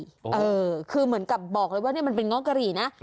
เออคือเหมือนกับบอกเลยว่านี่มันเป็นเงาะกะหรี่นะ